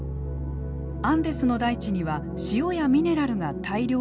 アンデスの大地には塩やミネラルが大量に含まれています。